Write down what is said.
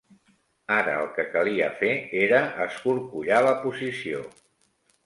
Ara el que calia fer era escorcollar la posició